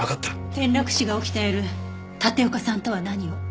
転落死が起きた夜立岡さんとは何を？